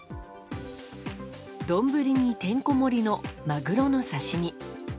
丼にてんこ盛りのマグロの刺し身。